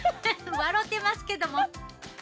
わろてますけども。